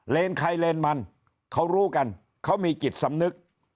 ใครเลนมันเขารู้กันเขามีจิตสำนึก